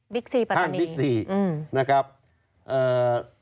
บิกซีปะตะนีอืมนะครับค่ะบิกซีปะตะนี